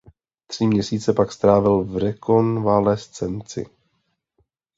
Tři měsíce pak strávil v rekonvalescenci.